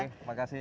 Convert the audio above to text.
oke terima kasih